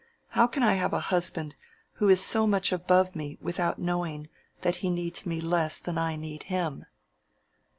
"How can I have a husband who is so much above me without knowing that he needs me less than I need him?"